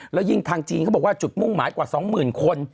แล้วยิ่งทางจีนเขาบอกว่าจุดมุ่งหมายกว่า๒๐๐๐คน